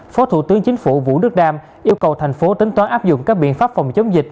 phó thủ tướng chính phủ vũ đức đam yêu cầu thành phố tính toán áp dụng các biện pháp phòng chống dịch